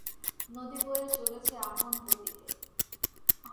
নদী বয়ে চলেছে আপন গতিতে।